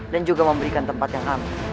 dan juga memberikan tempat yang amat